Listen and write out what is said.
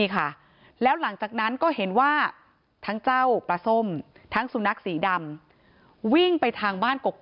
คือตอนนั้นพ่อเห็นปลาท่มลงมาแน่